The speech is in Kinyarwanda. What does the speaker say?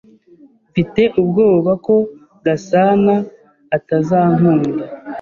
Mfite ubwoba ko Gasanaatazankunda.